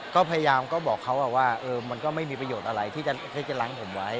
ก็พยายามก็บอกเขาว่ามันก็ไม่มีประโยชน์อะไรที่จะล้างผมไว้